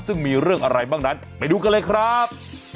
ซึ่งมีเรื่องอะไรบ้างนั้นไปดูกันเลยครับ